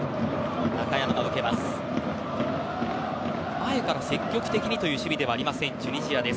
前から積極的にという守備ではありません、チュニジア。